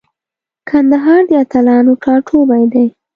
کندهار د اتلانو ټاټوبی دی.